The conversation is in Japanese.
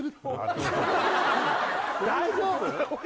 大丈夫？